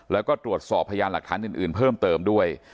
แล้วก็ตรวจสอบพยานหลักฐานอื่นเพิ่มเติมด้วย